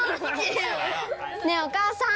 ねえお母さん。